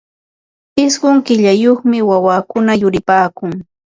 Ishqun killayuqmi wawakuna yuripaakun.